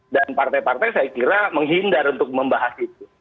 dan partai partai saya kira menghindar untuk membahas itu